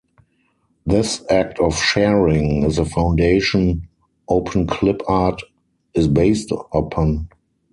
This act of "sharing" is the foundation Openclipart is based upon.